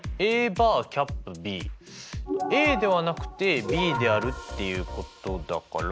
ＡではなくてＢであるっていうことだから。